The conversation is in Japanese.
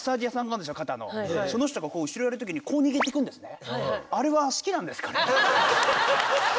その人が後ろやる時にこう握ってくるんですね。